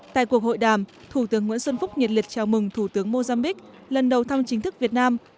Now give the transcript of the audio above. tại cuộc hội đàm thủ tướng nguyễn xuân phúc nhiệt liệt chào mừng thủ tướng mozambiqu lần đầu thăm chính thức việt nam